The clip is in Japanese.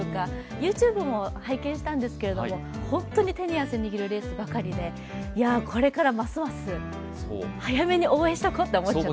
ＹｏｕＴｕｂｅも拝見したんですけど本当に手に汗握るレースばかりでこれから、ますます早めに応援しとこうって思っちゃった。